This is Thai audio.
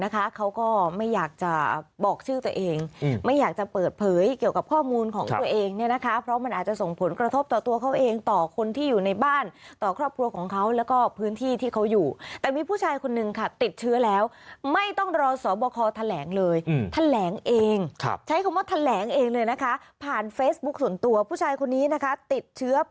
เขาก็ไม่อยากจะบอกชื่อตัวเองไม่อยากจะเปิดเผยเกี่ยวกับข้อมูลของตัวเองเนี่ยนะคะเพราะมันอาจจะส่งผลกระทบต่อตัวเขาเองต่อคนที่อยู่ในบ้านต่อครอบครัวของเขาแล้วก็พื้นที่ที่เขาอยู่แต่มีผู้ชายคนนึงค่ะติดเชื้อแล้วไม่ต้องรอสอบคอแถลงเลยแถลงเองใช้คำว่าแถลงเองเลยนะคะผ่านเฟซบุ๊คส่วนตัวผู้ชายคนนี้นะคะติดเชื้อ